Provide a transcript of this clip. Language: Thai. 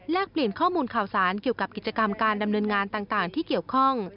เปลี่ยนข้อมูลข่าวสารเกี่ยวกับกิจกรรมการดำเนินงานต่างที่เกี่ยวข้อง